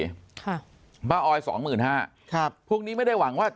ค่ะบ้าออยสองหมื่นห้าครับพวกนี้ไม่ได้หวังว่า